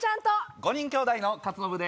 ５人きょうだいの克信で。